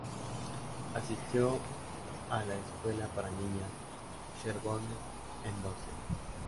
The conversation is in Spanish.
Asistió al la escuela para niñas Sherborne en Dorset.